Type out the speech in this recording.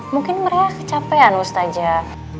mungkin mereka kecapean ustazah